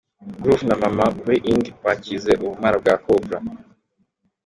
Grove na mama we Inge bakize ubumara bwa Cobra.